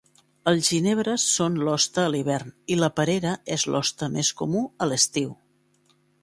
Els ginebres són l'hoste a l'hivern i la perera és l'hoste més comú a l'estiu.